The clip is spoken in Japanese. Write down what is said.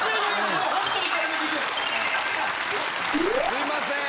すいません。